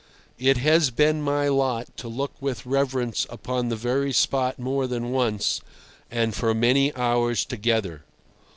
It has been my lot to look with reverence upon the very spot more than once, and for many hours together.